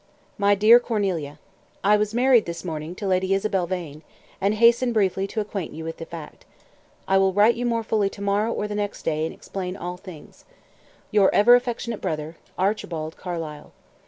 "MY DEAR CORNELIA I was married this morning to Lady Isabel Vane, and hasten briefly to acquaint you with the fact. I will write you more fully to morrow or the next day, and explain all things. "Your ever affectionate brother, "ARCHIBALD CARLYLE."